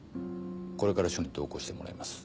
これから署に同行してもらいます。